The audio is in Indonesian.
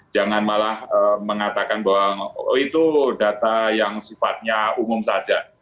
jangan malah mengatakan bahwa itu data yang sifatnya umum saja